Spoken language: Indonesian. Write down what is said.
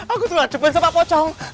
aku tuh adem banget sama pak pocong